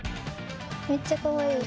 めっちゃかわいい。